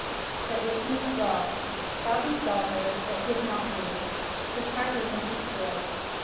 It was Mrs Frog! Bob saw her, but did not move. His heart was in his throat!